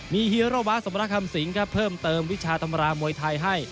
มีฮีโรวะสมรคำสิงครับเพิ่มเติมวิชาธรรมรามวยไทยให้